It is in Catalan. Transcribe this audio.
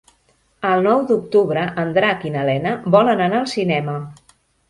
El nou d'octubre en Drac i na Lena volen anar al cinema.